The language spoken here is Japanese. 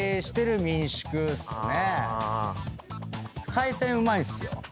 海鮮うまいんすよ。